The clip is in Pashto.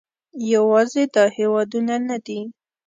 یوازې دا هېوادونه نه دي